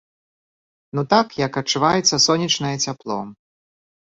Ну, так, як адчуваеце сонечнае цяпло.